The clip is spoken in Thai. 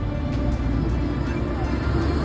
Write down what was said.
สวัสดีครับคุณผู้ชาย